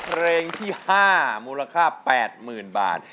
เพลงที่๕มูลค่า๘๐๐๐บาท